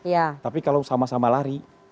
tapi kalau sama sama lari